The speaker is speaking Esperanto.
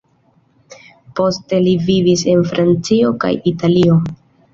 Poste li vivis en Francio kaj Italio.